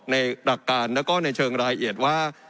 หลักการแล้วก็ในเชิงรายละเอียดว่า